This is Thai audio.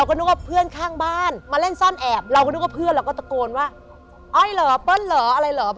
คุณพ่อเป็นฆาตราชการอยู่ที่สัตหีพ